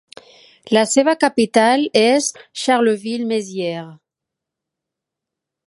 La seva capital és Charleville-Mézières.